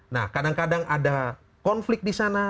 nah kadang kadang ada konflik disana